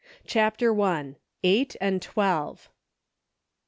CHAPTER I. EIGHT AND TWELVE.